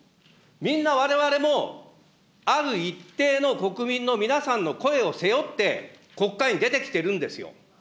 みんなわれわれも、ある一定の国民の皆さんの声を背負って、国会に出てきてるんですよ。